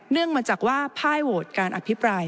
เนื่องมาจากว่าพ่ายโหวตการอภิปราย